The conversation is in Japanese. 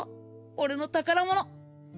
俺の宝物